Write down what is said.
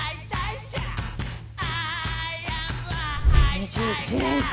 ２１年か。